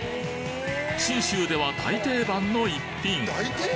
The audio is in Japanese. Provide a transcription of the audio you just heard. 信州では大定番の逸品！